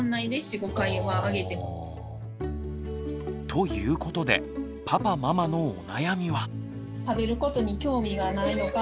ということでパパママのお悩みは。